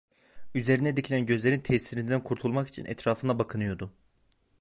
Üzerine dikilen gözlerin tesirinden kurtulmak için etrafına bakınıyordu.